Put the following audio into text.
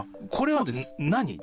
これは何？